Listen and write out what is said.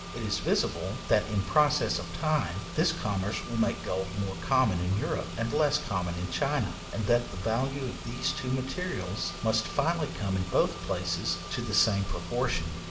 It is visible, that, in process of time, this commerce will make gold more common in Europe, and less common in China, and that the value of these two materials must finally come in both places to the same proportion.